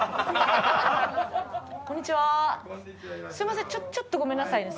すいませんちょっとごめんなさいね。